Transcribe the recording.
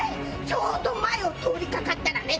ちょうど前を通り掛かったらね。